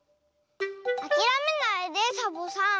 あきらめないでサボさん。